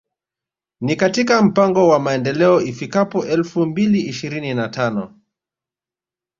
Ni katika mpango wa Maendeleo ifikapo elfu mbili ishirini na tano